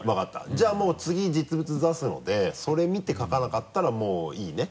じゃあもう次実物出すのでそれ見てかかなかったらもういいね？